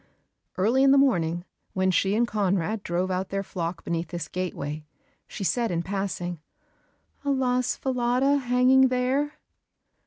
Early in the morning, when she and Conrad drove out their flock beneath this gateway, she said in passing, "Alas, Falada, hanging there!"